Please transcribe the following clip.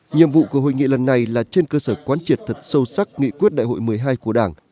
nhiệm vụ của hội nghị lần này là trên cơ sở quán triệt thật sâu sắc nghị quyết đại hội một mươi hai của đảng